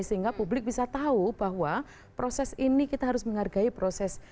sehingga publik bisa tahu bahwa proses ini kita harus menghargai proses